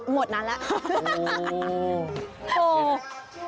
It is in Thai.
หมดซะครับ